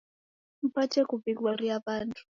Mpate kuw'ighoria w'andu